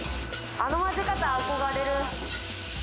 あの混ぜ方憧れる。